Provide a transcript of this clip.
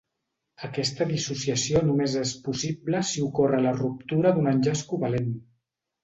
Aquesta dissociació només és possible si ocorre la ruptura d'un enllaç covalent.